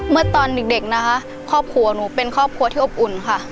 เมื่อตอนเด็กนะคะครอบครัวหนูเป็นครอบครัวที่อบอุ่นค่ะ